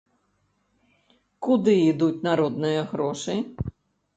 Куды ідуць народныя грошы?